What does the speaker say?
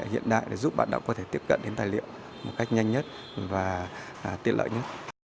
hiện đại để giúp bạn đọc có thể tiếp cận đến tài liệu một cách nhanh nhất và tiện lợi nhất